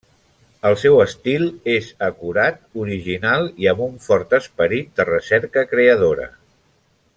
El seu estil és acurat, original i amb un fort esperit de recerca creadora.